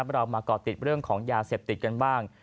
เรามาก่อติดเรื่องของยาเสพติดกันบ้าง